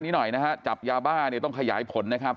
หน่อยนะฮะจับยาบ้าเนี่ยต้องขยายผลนะครับ